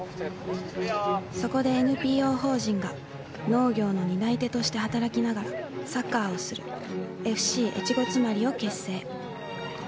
そこでＮＰＯ法人が農業の担い手として働きながらサッカーをするＦＣ越後妻有を結成。